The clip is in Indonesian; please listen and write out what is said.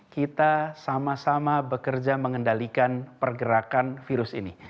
kita sama sama bekerja mengendalikan pergerakan virus ini